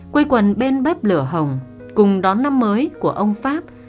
quây quần bên bếp lửa hồng cùng đón năm mới của ông pháp